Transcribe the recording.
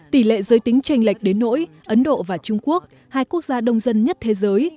tỷ lệ giới tính tranh lệch đến nỗi ấn độ và trung quốc hai quốc gia đông dân nhất thế giới